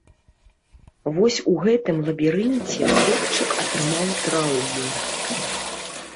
Вось у гэтым лабірынце хлопчык атрымаў траўму.